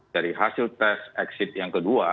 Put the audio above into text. dari hasil tes exit yang ke dua